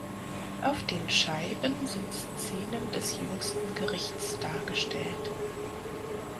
Auf den Scheiben sind Szenen des Jüngsten Gerichts dargestellt.